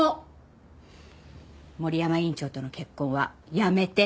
森山院長との結婚はやめて。